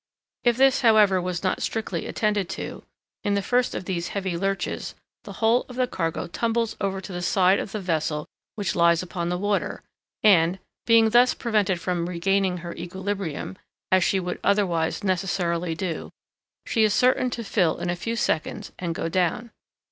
If this, however, has not been strictly attended to, in the first of these heavy lurches the whole of the cargo tumbles over to the side of the vessel which lies upon the water, and, being thus prevented from regaining her equilibrium, as she would otherwise necessarily do, she is certain to fill in a few seconds and go down.